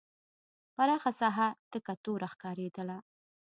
پراخه ساحه تکه توره ښکارېدله.